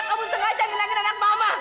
kamu sengaja ngangin anak mama